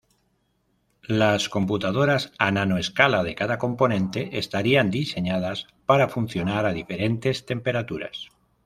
Las computadoras a nanoescala de cada componente estarían diseñadas para funcionar a diferentes temperaturas.